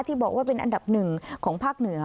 ที่บอกว่าเป็นอันดับหนึ่งของภาคเหนือ